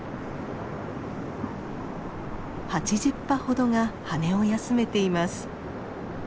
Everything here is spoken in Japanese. ８０羽ほどが羽を休めています。